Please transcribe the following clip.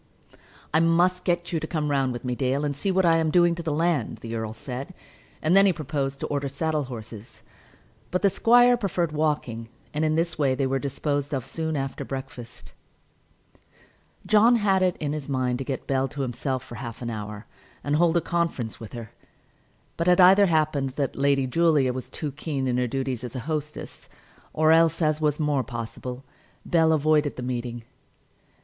"I must get you to come round with me, Dale, and see what I am doing to the land," the earl said. And then he proposed to order saddle horses. But the squire preferred walking, and in this way they were disposed of soon after breakfast. John had it in his mind to get Bell to himself for half an hour, and hold a conference with her; but it either happened that Lady Julia was too keen in her duties as a hostess, or else, as was more possible, Bell avoided the meeting.